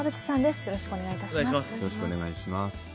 よろしくお願いします。